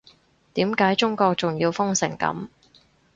點解中國仲要封成噉